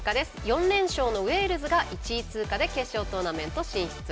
４連勝のウェールズが１位通過で決勝トーナメント進出。